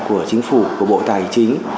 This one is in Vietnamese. của chính phủ của bộ tài chính